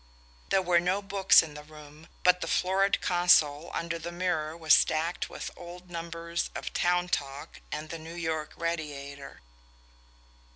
There were no books in the room, but the florid console under the mirror was stacked with old numbers of Town Talk and the New York Radiator.